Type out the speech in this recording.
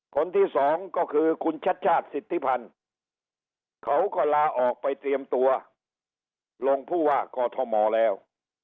คนที่สองก็คือคุณชัดชาติสิทธิพันธ์เขาก็ลาออกไปเตรียมตัวลงผู้ว่ากอทมแล้ว